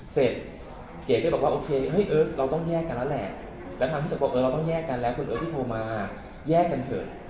เสร็จเก๋ก็บอกว่าโอเคเอิร์กเราต้องแยกกันแล้วแหละแล้วทางที่จะบอกว่าเอิร์กเราต้องแยกกันแล้วคุณเอิร์กที่โทรมาแยกกันเถิด